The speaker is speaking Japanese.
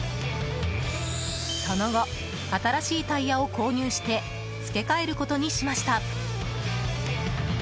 その後、新しいタイヤを購入してつけ替えることにしました。